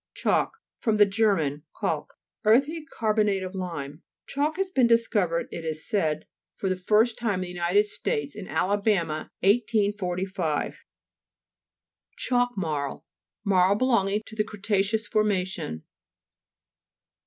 CHALK fr. ger. kalk. Earthy car bonate of lime. Chalk has been discovered, it is said, for the first time in the United States, in Ala bama, 1845. CHALK MARL Marl belonging to the cretaceous formation.